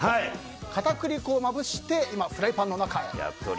片栗粉をまぶしてフライパンの中へ。